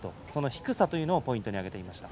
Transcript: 低さというのをポイントに挙げていました。